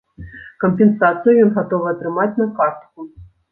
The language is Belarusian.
Кампенсацыю ён гатовы атрымаць на картку.